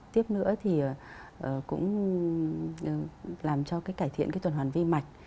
tiếp nữa thì cũng làm cho cái cải thiện cái tuần hoàn vi mạch